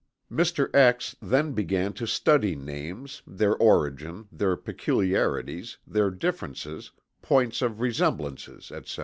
Mr. X. then began to study names, their origin, their peculiarities, their differences, points of resemblances, etc.